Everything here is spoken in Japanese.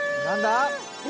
何だ？